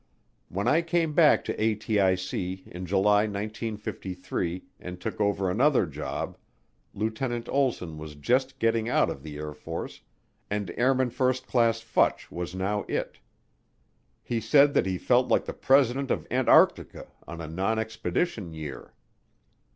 When I came back to ATIC in July 1953 and took over another job, Lieutenant Olsson was just getting out of the Air Force and Al/c Futch was now it. He said that he felt like the President of Antarctica on a non expedition year.